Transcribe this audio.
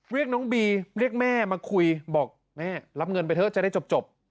เรียกน้องบีเรียกแม่มาคุยบอกแม่รับเงินไปเถอะจะได้จบ